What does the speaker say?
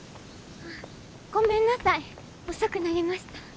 ごめんなさい遅くなりました。